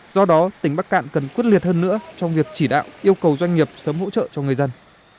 do đó tỉnh bắc cạn cần quyết liệt hơn nữa trong việc chỉ đạo yêu cầu doanh nghiệp sớm hỗ trợ cho người dân